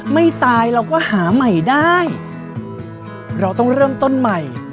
ไม่ตายเราก็หาใหม่ได้เราต้องเริ่มต้นใหม่